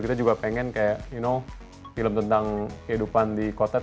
kita juga pengen kayak no film tentang kehidupan di kota